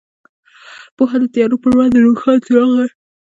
پوهه د تیارو پر وړاندې روښان څراغ دی.